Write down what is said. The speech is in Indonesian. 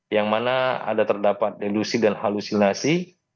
yang mana ada terdapat delusi dan halusinasi